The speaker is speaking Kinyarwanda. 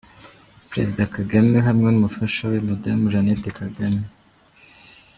Perezida Kagame hamwe n'umufasha we Madamu Jeannette Kagame.